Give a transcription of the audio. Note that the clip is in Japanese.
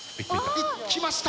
行きました。